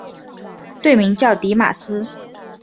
队名叫狄玛斯。